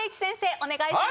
お願いします。